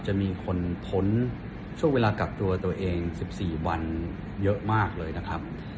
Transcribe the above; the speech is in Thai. จะมีคนพ้นช่วงเวลากักตัวตัวเอง๑๔วันเยอะมากเลยนะครับ